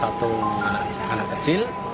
satu anak kecil